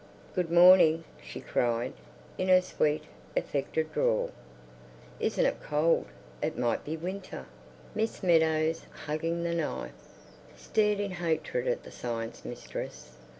"Good mor ning," she cried, in her sweet, affected drawl. "Isn't it cold? It might be win ter." Miss Meadows, hugging the knife, stared in hatred at the Science Mistress.